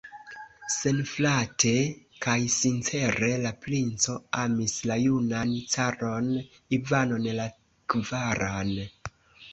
Senflate kaj sincere la princo amis la junan caron Ivanon la kvaran.